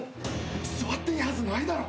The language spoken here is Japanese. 座っていいはずないだろ！